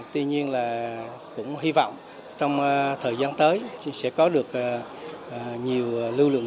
tuy nhiên là cũng hy vọng trong thời gian tới sẽ có được nhiều lưu lượng